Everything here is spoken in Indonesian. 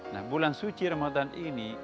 nah bulan suci ramadan ini